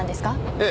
ええ。